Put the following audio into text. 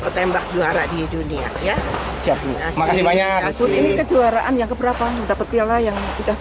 ketembak juara di dunia ya terima kasih banyak kejuaraan yang keberapa mendapatkan yang sudah